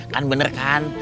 kan bener kan